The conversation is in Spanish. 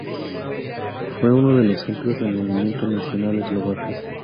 Fue uno de los centros del Movimiento Nacional Eslovaco.